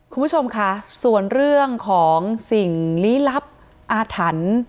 คุณผู้ชมค่ะส่วนเรื่องของสิ่งลี้ลับอาถรรพ์